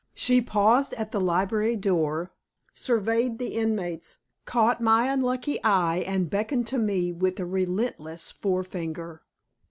She paused at the library door, surveyed the inmates, caught my unlucky eye and beckoned to me with a relentless forefinger.